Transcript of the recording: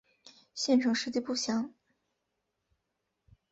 县成事迹不详。